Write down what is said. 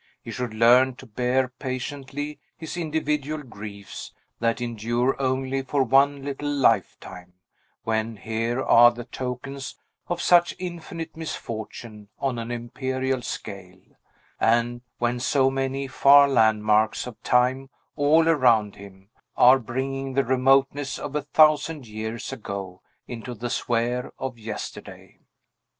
He should learn to bear patiently his individual griefs, that endure only for one little lifetime, when here are the tokens of such infinite misfortune on an imperial scale, and when so many far landmarks of time, all around him, are bringing the remoteness of a thousand years ago into the sphere of yesterday.